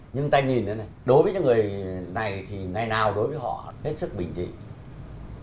nhưng tay nhìn này đối với những người này thì ngày nào đối với họ hết sức bình dị